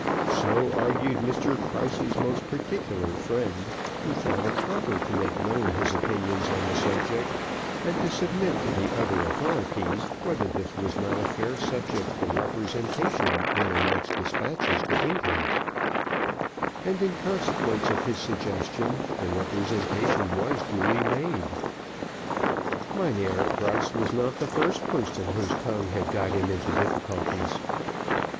So argued Mr Krause's most particular friend, who thought it proper to make known his opinions on the subject, and to submit to the other authorities whether this was not a fair subject for representation in their next despatches to England; and in consequence of his suggestion, the representation was duly made. Mynheer Krause was not the first person whose tongue had got him into difficulties.